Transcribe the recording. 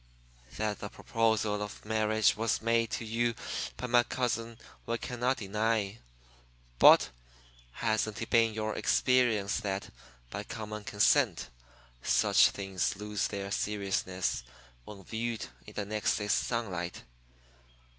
That the proposal of marriage was made to you by my cousin we cannot deny. But hasn't it been your experience that, by common consent, such things lose their seriousness when viewed in the next day's sunlight?